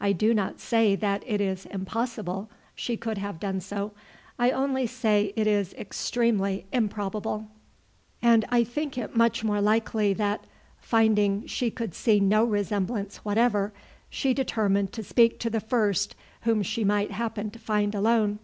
I do not say that it is impossible she could have done so; I only say it is extremely improbable; and I think it much more likely that, finding she could see no resemblance whatever, she determined to speak to the first whom she might happen to find alone."